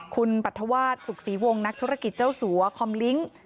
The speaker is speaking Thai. คุณปรัฐวาสสุขศรีวงนักธุรกิจเจ้าสัวคอมลิ้ง